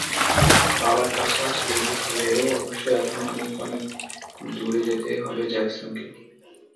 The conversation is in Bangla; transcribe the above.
বাবার কাছাকাছি যেতে হলেও অবশ্য এখনো অনেক অ-নে-ক দূর যেতে হবে জ্যাকসনকে।